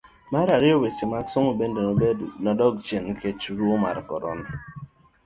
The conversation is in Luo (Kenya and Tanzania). Mar ariyo, weche mag somo bende nobedo gi dok chien nikech tuo mar korona.